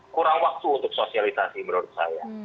kurang waktu untuk sosialisasi menurut saya